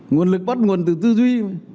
nguồn lực bắt nguồn từ tư duy